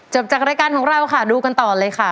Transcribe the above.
จากรายการของเราค่ะดูกันต่อเลยค่ะ